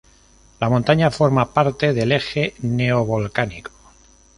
La montaña forma parte del Eje Neovolcánico.